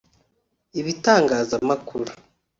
ibitangazamakuru